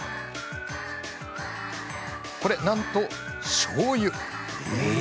これはなんと、しょうゆ。